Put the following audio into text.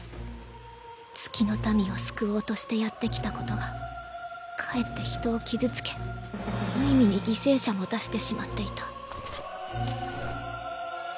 月の民を救おうとしてやってきた事がかえって人を傷つけ無意味に犠牲者も出してしまっていた。